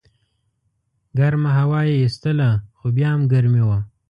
ګرمه هوا یې ایستله خو بیا هم ګرمي وه.